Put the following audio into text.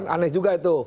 aneh juga itu